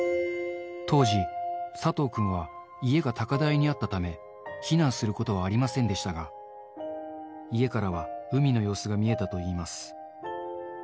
当時、佐藤君は家が高台にあったため、避難することはありませんでしたが、家からは海の様子が見えたといいます。